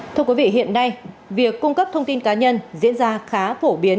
thưa quý vị hiện nay việc cung cấp thông tin cá nhân diễn ra khá phổ biến